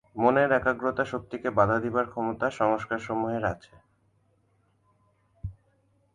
মনের একাগ্রতা-শক্তিকে বাধা দিবার ক্ষমতা সংস্কারসমূহের আছে।